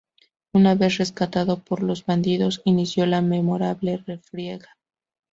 Una vez rescatado por los bandidos, inició la memorable refriega.